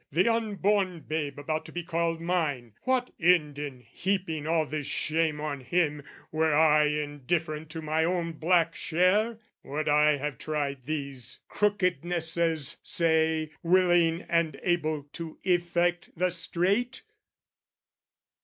"The unborn babe about to be called mine, "What end in heaping all this shame on him, "Were I indifferent to my own black share? "Would I have tried these crookednesses, say, "Willing and able to effect the straight?"